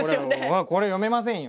これ読めませんよ。